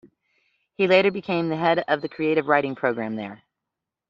He later became the head of the creative writing program there.